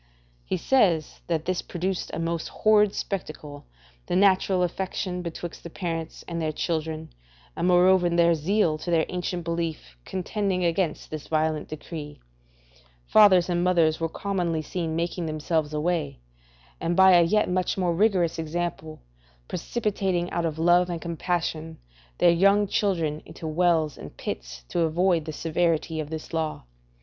He says that this produced a most horrid spectacle the natural affection betwixt the parents and their children, and moreover their zeal to their ancient belief, contending against this violent decree, fathers and mothers were commonly seen making themselves away, and by a yet much more rigorous example, precipitating out of love and compassion their young children into wells and pits, to avoid the severity of this law.